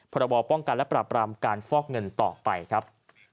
พรบป้องกันและปราบรามการฟอกเงินต่อไปครับ